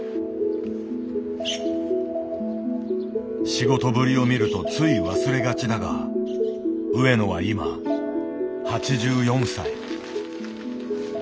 仕事ぶりを見るとつい忘れがちだが上野は今８４歳。